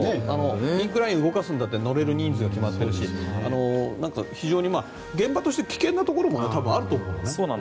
インクラインを動かすにしても人数は決まってるし非常に現場として危険なところも多分、あるんだと思うんだよね。